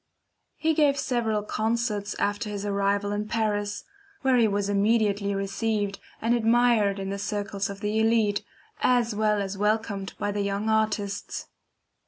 He gave several concerts after his arrival in Paris, where he was immediately received and admired in the circles of the elite, as well as welcomed by the young artists.